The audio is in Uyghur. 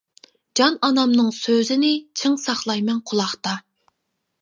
جان ئانامنىڭ سۆزىنى، چىڭ ساقلايمەن قۇلاقتا.